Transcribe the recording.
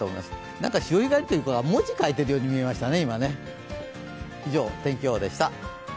何か潮干狩りというか文字を書いているように見えましたね。